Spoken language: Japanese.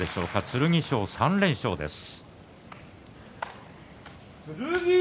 剣翔、３連勝です。